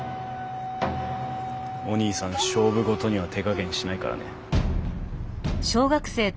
おにいさん勝負事には手加減しないからね。